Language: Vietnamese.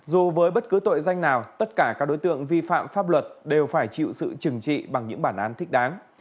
dù với bất cứ tội danh nào tất cả các đối tượng vi phạm pháp luật đều phải chịu sự trừng trị bằng những bản án thích đáng